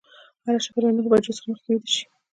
هره شپه له نهه بجو څخه مخکې ویده شئ.